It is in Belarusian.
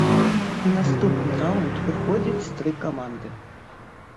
У наступны раўнд выходзіць тры каманды.